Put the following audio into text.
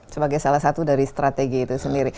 sebagai salah satu dari strategi yang